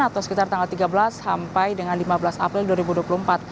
atau sekitar tanggal tiga belas sampai dengan lima belas april dua ribu dua puluh empat